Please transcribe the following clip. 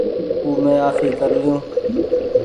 او مينٚ آڦي ڪر لئيو